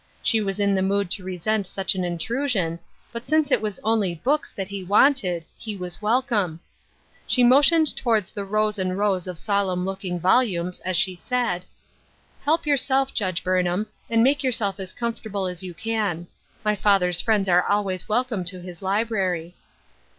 She was in the mood to resent such an intrusion, but since it was only books that he wanted, he was welcome. She motioned toward the rows and rows of solemn looking volumes, as she said :" Help yourself. Judge Burnham, and make yourself as comfortable as you can. My father's friends are always welcome to his library."